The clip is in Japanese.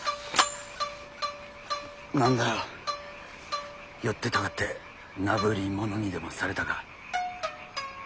何だよ寄ってたかってなぶり者にでもされたか？